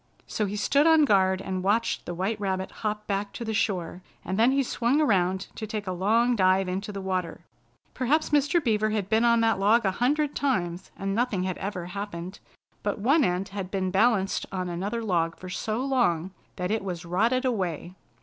So he stood on guard and watched the white rabbit hop back to the shore, and then he swung around to take a long dive into the water. Perhaps Mr. Beaver had been on that log a hundred times, and nothing had ever happened; but one end had been balanced on another log for so long that it was rotted away.